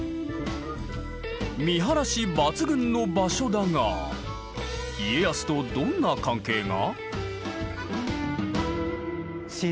見晴らし抜群の場所だが家康とどんな関係が？